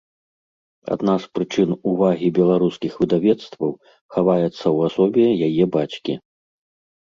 Адна з прычын увагі беларускіх выдавецтваў хаваецца ў асобе яе бацькі.